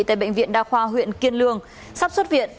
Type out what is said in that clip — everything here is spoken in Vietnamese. tại bệnh viện đa khoa huyện kiên lương sắp xuất viện